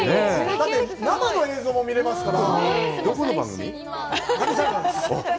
だって、生の映像も見られますから。